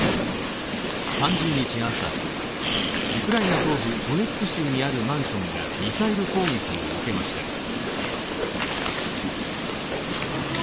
３０日朝、ウクライナ東部、ドネツク州にあるマンションがミサイル攻撃を受けました。